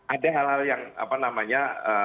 ada hal hal yang apa namanya